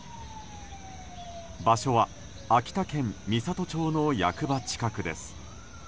場所は秋田県美郷町の役場近くです。